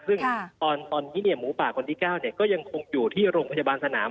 ซึ่งตอนนี้หมูป่าคนที่๙ก็ยังคงอยู่ที่โรงพยาบาลสนาม